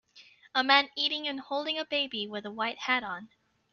A man eating and holding a baby with a white hat on.